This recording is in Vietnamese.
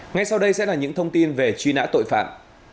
ngay sau đây sẽ là những thông tin về truy nã tội phạm